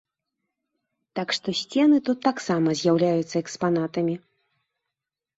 Так што сцены тут таксама з'яўляюцца экспанатамі.